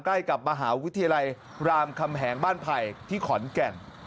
ใกล้กับมหาวิทยาลัยรามคำแหงบ้านไผ่ที่ขอนแก่น